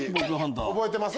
覚えてます？